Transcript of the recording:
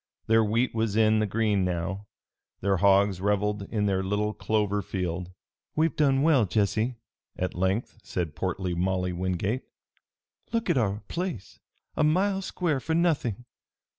Their wheat was in the green now. Their hogs reveled in their little clover field. "We've done well, Jesse," at length said portly Molly Wingate. "Look at our place! A mile square, for nothing!